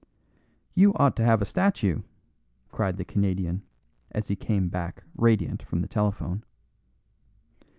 "You ought to have a statue," cried the Canadian, as he came back, radiant, from the telephone.